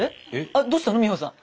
あっどうしたの美穂さん。